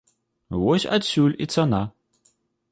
Вось адсюль і цана.